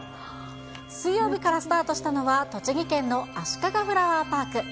水曜日からスタートしたのは、栃木県のあしかがフラワーパーク。